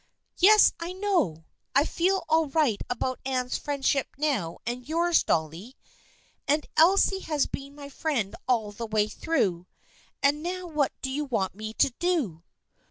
" Yes, I know. I feel all right about Anne's friendship now, and yours too, Dolly. And Elsie has been my friend all the way through. And now what do you want me to do